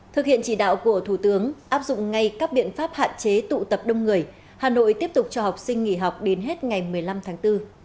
thực hiện chỉ đạo của thủ tướng áp dụng ngay các biện pháp hạn chế tụ tập đông người hà nội tiếp tục cho học sinh nghỉ học đến hết ngày một mươi năm tháng bốn